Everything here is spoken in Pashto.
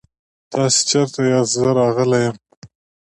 تاسې چيرته ياست؟ زه راغلی يم.